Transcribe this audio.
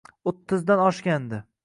O`ttizdan oshgandi